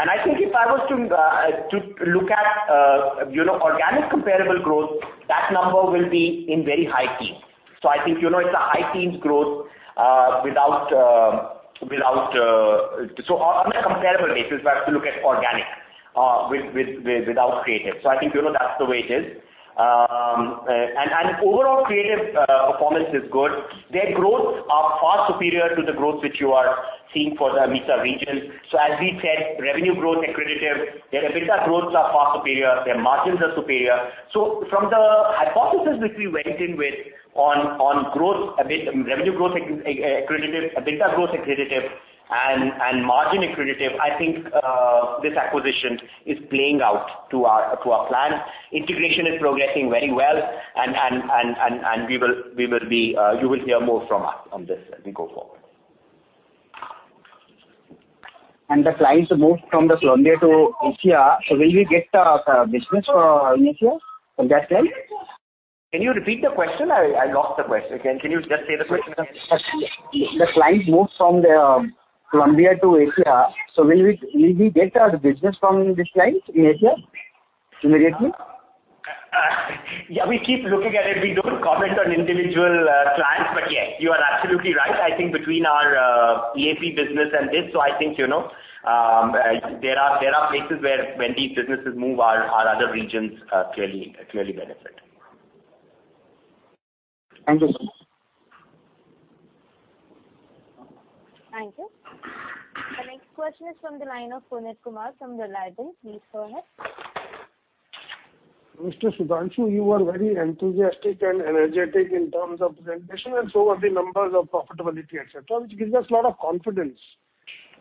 Creative. I think if I was to look at organic comparable growth, that number will be in very high teens. I think it's a high teens growth. On a comparable basis, you have to look at organic without Creative. I think, that's the way it is. Overall Creative performance is good. Their growth are far superior to the growth which you are seeing for the AMESA region. As we said, revenue growth, accretive, their EBITDA growths are far superior, their margins are superior. From the hypothesis which we went in with on revenue growth accretive, EBITDA growth accretive and margin accretive, I think this acquisition is playing out to our plan. Integration is progressing very well, and you will hear more from us on this as we go forward. The clients moved from the Colombia to Asia. Will we get the business in Asia from that client? Can you repeat the question? I lost the question. Can you just say the question again? The client moved from the Colombia to Asia. Will we get the business from this client in Asia immediately? Yeah, we keep looking at it. We don't comment on individual clients, but yes, you are absolutely right. I think between our AP business and this, so I think there are places where when these businesses move, our other regions clearly benefit. Thank you. Thank you. The next question is from the line of Punit Kumar from Reliable. Please go ahead. Mr. Sudhanshu, you are very enthusiastic and energetic in terms of presentation and so are the numbers of profitability, et cetera, which gives us a lot of confidence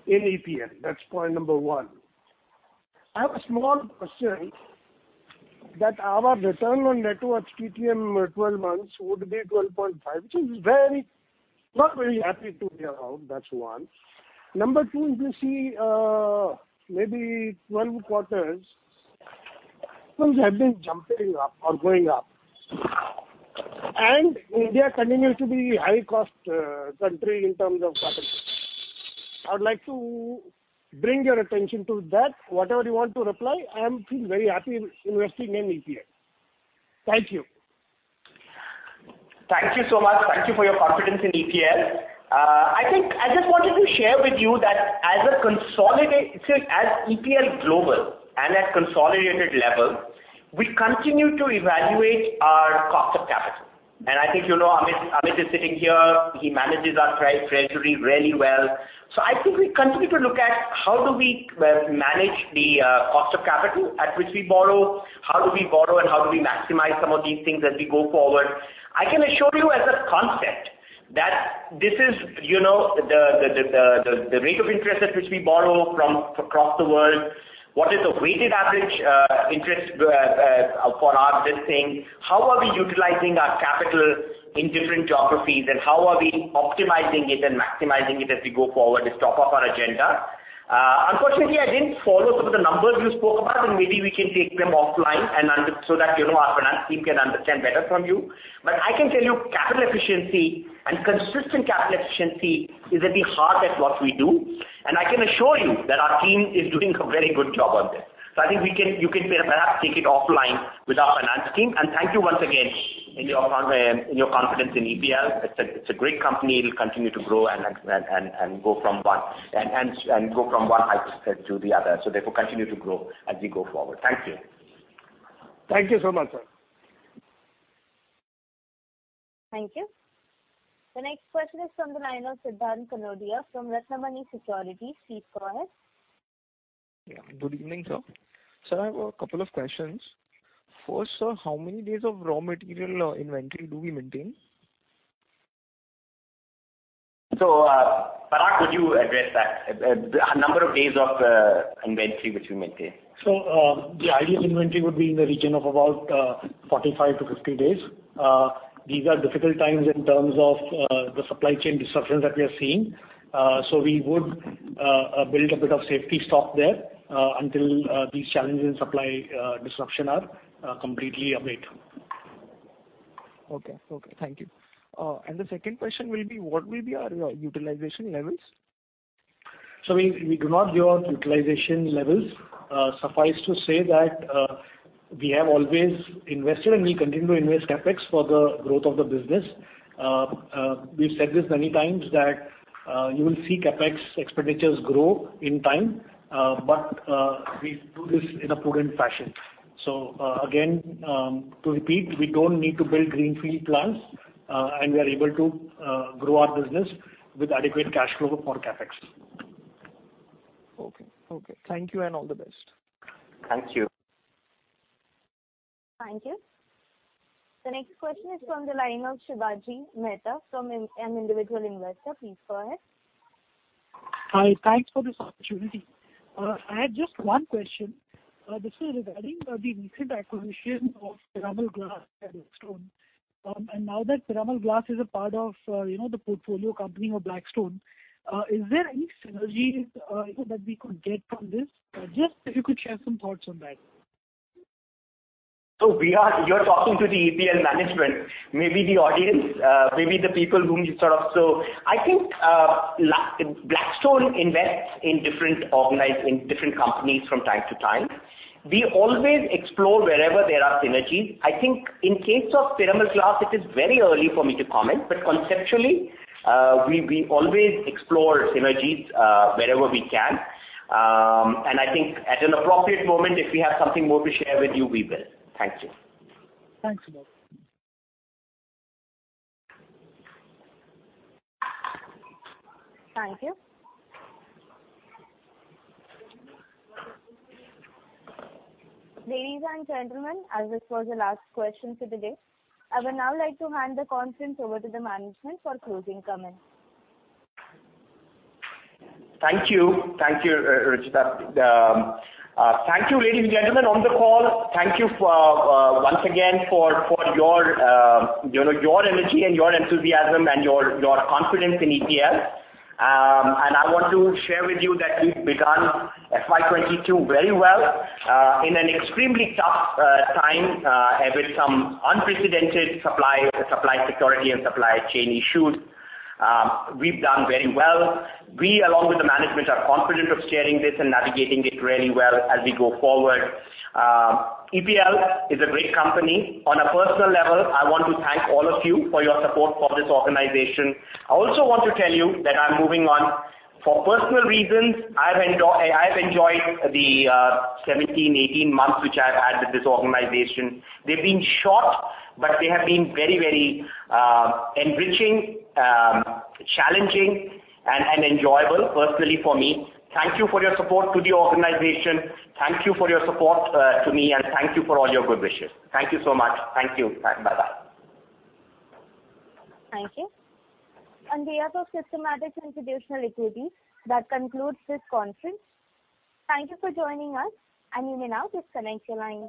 in EPL. That's point number one. I have a small question that our return on net worth TTM, 12 months, would be 12.5%, which is not very happy to hear about. That's one. Number two, you see, maybe one quarter, things have been jumping up or going up. India continues to be high cost country in terms of capital. I would like to bring your attention to that. Whatever you want to reply, I feel very happy investing in EPL. Thank you. Thank you so much. Thank you for your confidence in EPL. I just wanted to share with you that as EPL Global and at consolidated level, we continue to evaluate our cost of capital. I think, Amit is sitting here. He manages our treasury really well. I think we continue to look at how do we manage the cost of capital at which we borrow, how do we borrow, and how do we maximize some of these things as we go forward. I can assure you as a concept, that the rate of interest at which we borrow from across the world, what is the weighted average interest for our this thing, how are we utilizing our capital in different geographies, and how are we optimizing it and maximizing it as we go forward is top of our agenda. Unfortunately, I didn't follow some of the numbers you spoke about, and maybe we can take them offline so that our finance team can understand better from you. I can tell you capital efficiency and consistent capital efficiency is at the heart of what we do. I can assure you that our team is doing a very good job on this. I think you can perhaps take it offline with our finance team. Thank you once again in your confidence in EPL, it's a great company. It'll continue to grow and go from one hyperscale to the other. Therefore continue to grow as we go forward. Thank you. Thank you so much, sir. Thank you. The next question is from the line of Siddhant Kanodia from Ratnamani Securities. Please go ahead. Good evening, sir. Sir, I have a couple of questions. First, sir, how many days of raw material inventory do we maintain? Parag, could you address that? Number of days of inventory which we maintain. The ideal inventory would be in the region of about 45 days-50 days. These are difficult times in terms of the supply chain disruptions that we are seeing. We would build a bit of safety stock there, until these challenges in supply disruption are completely abated. Okay. Thank you. The second question will be, what will be our utilization levels? We do not give out utilization levels. Suffice to say that we have always invested, and we continue to invest CapEx for the growth of the business. We've said this many times that you will see CapEx expenditures grow in time. We do this in a prudent fashion. Again, to repeat, we don't need to build greenfield plants, and we are able to grow our business with adequate cash flow for CapEx. Okay. Thank you, and all the best. Thank you. Thank you. The next question is from the line of Shivaji Mehta from an individual investor. Please go ahead. Hi. Thanks for this opportunity. I have just one question. This is regarding the recent acquisition of Piramal Glass by Blackstone. Now that Piramal Glass is a part of the portfolio company of Blackstone, is there any synergies, that we could get from this? Just if you could share some thoughts on that. You're talking to the EPL management, maybe the audience, maybe the people. I think Blackstone invests in different companies from time to time. We always explore wherever there are synergies. I think in case of Piramal Glass, it is very early for me to comment, but conceptually, we always explore synergies wherever we can. I think at an appropriate moment, if we have something more to share with you, we will. Thank you. Thanks a lot. Thank you. Ladies and gentlemen, as this was the last question for the day, I would now like to hand the conference over to the management for closing comments. Thank you, Ruchita. Thank you, ladies and gentlemen, on the call. Thank you once again for your energy and your enthusiasm and your confidence in EPL. I want to share with you that we've begun FY 2022 very well, in an extremely tough time, with some unprecedented supply security and supply chain issues. We've done very well. We, along with the management, are confident of steering this and navigating it really well as we go forward. EPL is a great company. On a personal level, I want to thank all of you for your support for this organization. I also want to tell you that I'm moving on for personal reasons. I've enjoyed the 17, 18 months which I've had with this organization. They've been short, but they have been very enriching, challenging, and enjoyable personally for me. Thank you for your support to the organization. Thank you for your support to me, and thank you for all your good wishes. Thank you so much. Thank you. Bye-bye. Thank you. On behalf of Systematix Institutional Equities, that concludes this conference. Thank you for joining us, and you may now disconnect your lines.